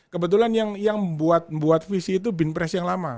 kebetulan yang membuat visi itu binpres yang lama